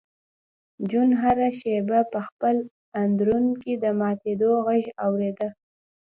جون هره شېبه په خپل اندرون کې د ماتېدو غږ اورېده